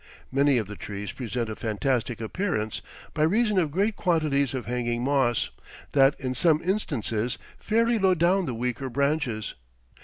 Many of the trees present a fantastic appearance, by reason of great quantities of hanging moss, that in some instances fairly load down the weaker branches.